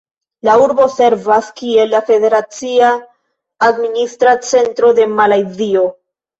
La urbo servas kiel la federacia administra centro de Malajzio.